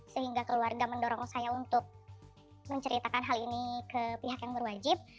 sehingga keluarga mendorong saya untuk menceritakan hal ini ke pihak yang berwajib